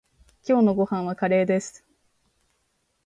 今日のご飯はカレーです。